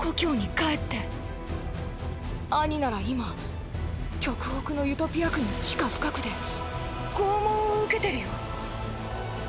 アニなら今極北のユトピア区の地下深くで拷問を受けてるよ。